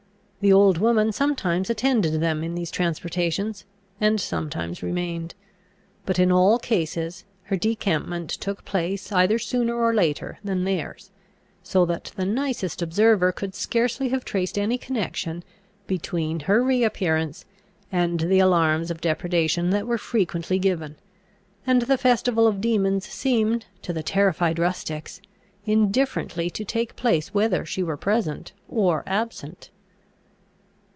The old woman sometimes attended them in these transportations, and sometimes remained; but in all cases her decampment took place either sooner or later than theirs, so that the nicest observer could scarcely have traced any connection between her reappearance, and the alarms of depredation that were frequently given; and the festival of demons seemed, to the terrified rustics, indifferently to take place whether she were present or absent.